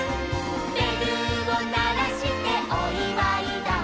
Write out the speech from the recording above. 「べるをならしておいわいだ」